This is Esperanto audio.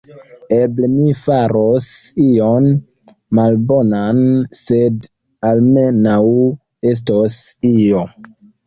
Eble mi faros ion malbonan, sed almenaŭ estos io.